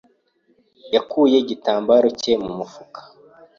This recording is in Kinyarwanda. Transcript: yakuye igitambaro cyera mu mufuka.